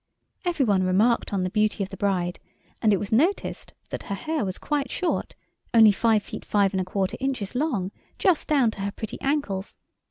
Every one remarked on the beauty of the bride, and it was noticed that her hair was quite short—only five feet five and a quarter inches long—just down to her pretty ankles.